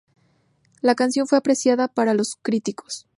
La canción fue apreciada para los críticos.